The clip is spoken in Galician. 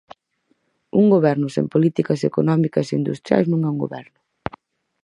Un goberno sen políticas económicas e industriais non é un goberno.